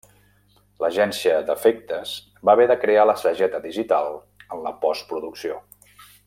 L'agència d'efectes va haver de crear la sageta digital en la postproducció.